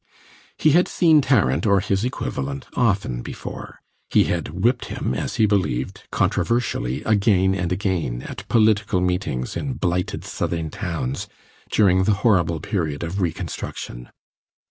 He had seen Tarrant, or his equivalent, often before; he had "whipped" him, as he believed, controversially, again and again, at political meetings in blighted Southern towns, during the horrible period of reconstruction.